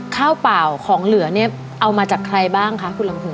ข้าวเปล่าของเหลือเนี่ยเอามาจากใครบ้างคะคุณลำพู